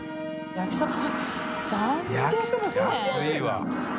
焼きそば３００円だよ。